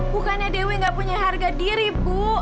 bukannya dewi gak punya harga diri bu